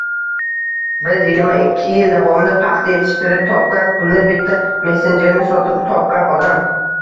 Biz yigirma ikki yil davomida paxta yetishtirib topgan pulni bitta messenjerni sotib topgan odam